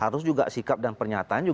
harus juga sikap dan pernyataan juga